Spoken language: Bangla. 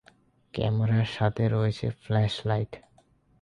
ক্যামেরার সাথে রয়েছে ফ্ল্যাশ লাইট।